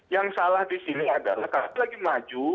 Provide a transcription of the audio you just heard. yang salah di sini adalah kalau lagi maju